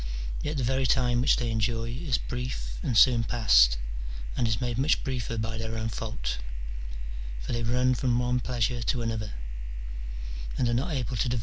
Yet the very time which they enjoy is brief and soon past, and is made much briefer by their own fault : for they tun from one pleasure to another, and are not able to devote CH, XVII.